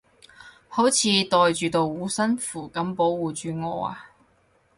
好似袋住道護身符噉保護住我啊